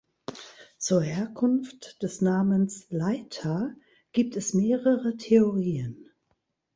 Zur Herkunft des Namens „Leitha“ gibt es mehrere Theorien.